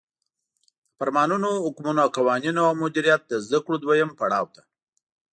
د فرمانونو، حکمونو، قوانینو او مدیریت د زدکړو دویم پړاو ته